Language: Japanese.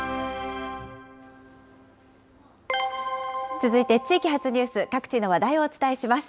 続いて地域発ニュース、各地の話題をお伝えします。